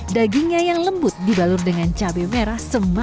dagingnya yang lembut dibalur dengan cabai merah semakin lembut